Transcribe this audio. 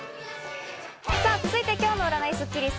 さぁ、続いて今日の占いスッキりす。